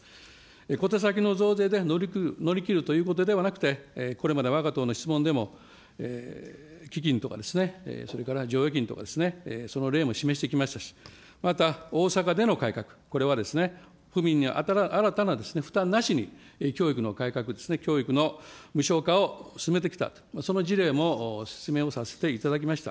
小手先の増税で乗り切るということではなくて、これまでわが党の質問でも、基金とか、それから剰余金とか、その例も示してきましたし、また大阪での改革、これは府民に新たな負担なしに、教育の改革、教育の無償化を進めてきたと、その事例も説明をさせていただきました。